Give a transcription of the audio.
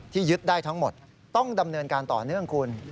ยึดได้ทั้งหมดต้องดำเนินการต่อเนื่องคุณ